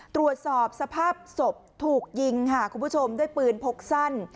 ตรวจสอบสภาพศพถูกยิงค่ะคุณผู้ชมด้วยปืนพกสั้น